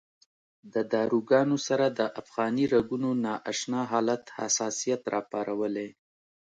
د داروګانو سره د افغاني رګونو نا اشنا حالت حساسیت راپارولی.